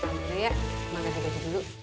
udah ya makan kek kek dulu